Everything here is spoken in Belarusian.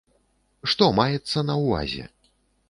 Што маецца на ўвазе?